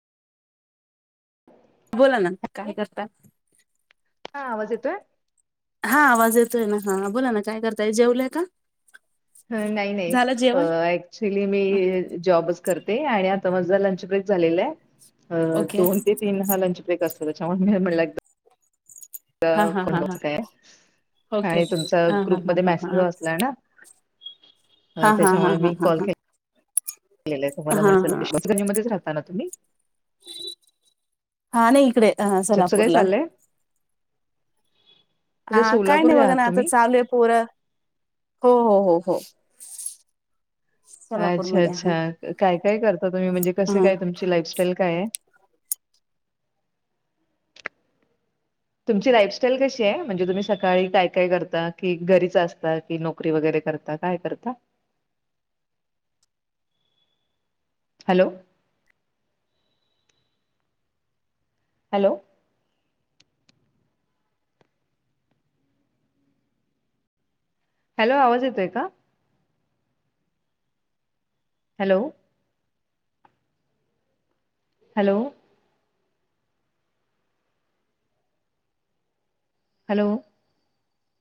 बोला ना? काय करताय? हा आवाज येतोय. हा आवाज येतोय ना, हा हा बोला ना काय करताय जेवल्या का...? हं नाही नाही, झालं जेवण ऍक्च्युली मी जॉबच करते. आणि आता माझा लंच ब्रेक झालेला आहे. ओके दोन ते तीन हा लंच ब्रेक असतो. त्याच्यामुळे, मी म्हणलं कि. हा हा कोण हा हा काय ओके आणि ओके तुमच हा हा हा ग्रुपमध्ये हा मॅसेज हा वाचलाय ना. अ हा हा हा त्याच्यामुळे, हा मी हा कॉल हा के लेल तुम्हाला हा म्हटलेलं, हा विश्वासगणी मध्येच राहता ना तुम्ही. हा नाही इकडे, ह त्याचं काय सोलापूरला. चाललंय म्हणजे हा काय सोलापूर नाही बघा आहात ना आता तुम्ही? चालू आहे. पोरं हो हो हो. हो अच्छा सोलापूरमध्ये आहे अच्छा काय काय करता, तुम्ही म्हणजे कशे हा काय तुमची लाईफस्टाईल काय आहे. तुमची लाईफस्टाईल कशी आहे. म्हणजे तुम्ही सकाळी काय काय करता. की घरीच असता की नोकरी वगैरे करता काय करता? Hello, hello. हॅलो, आवाज येतोय का? Hello hello hello